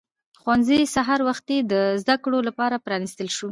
ښوونځی سهار وختي د زده کوونکو لپاره پرانیستل شو